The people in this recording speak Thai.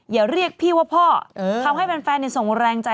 อย่าเรียกพี่ว่าพ่อทำให้แฟนส่งแรงใจ